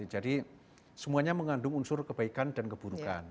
jadi semuanya mengandung unsur kebaikan dan keburukan